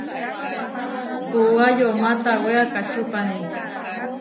Puúa yomá tawé akačupani.